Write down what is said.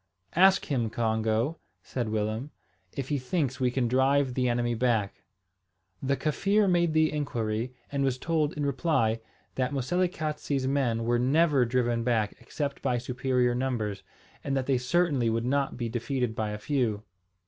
"Ask him, Congo," said Willem, "if he thinks we can drive the enemy back." The Kaffir made the inquiry, and was told, in reply, that Moselekatse's men were never driven back except by superior numbers, and that they certainly would not be defeated by a few.